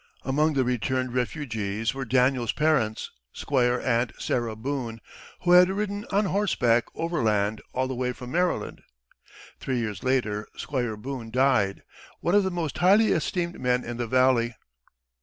Among the returned refugees were Daniel's parents, Squire and Sarah Boone, who had ridden on horseback overland all the way from Maryland. Three years later Squire Boone died, one of the most highly esteemed men in the valley.